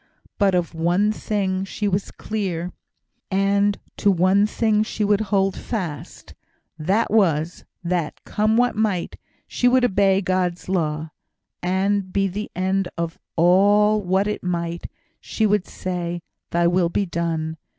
But of one thing she was clear, and to one thing she would hold fast: that was, that, come what might, she would obey God's law, and, be the end of all what it might, she would say, "Thy will be done!"